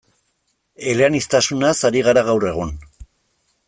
Eleaniztasunaz ari gara gaur egun.